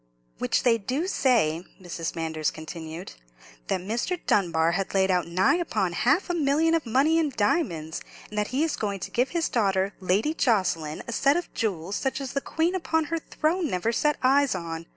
"Which they do say," Mrs. Manders continued, "that Mr. Dunbar had laid out nigh upon half a million of money in diamonds; and that he is going to give his daughter, Lady Jocelyn, a set of jewels such as the Queen upon her throne never set eyes on.